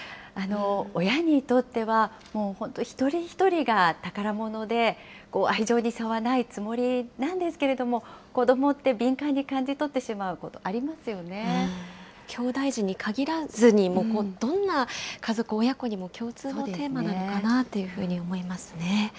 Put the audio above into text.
親にとっては、もう本当、一人一人が宝物で、愛情に差はないつもりなんですけど、子どもって敏感に感じ取ってきょうだい児に限らずに、どんな家族、親子にも共通のテーマなのかなというふうに思いますね。